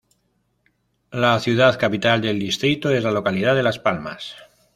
La ciudad capital del distrito es la localidad de Las Palmas.